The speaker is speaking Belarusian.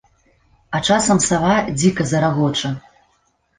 А часам сава дзіка зарагоча.